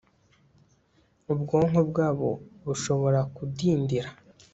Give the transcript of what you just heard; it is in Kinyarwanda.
ubwonko bwabo bushobora kudindira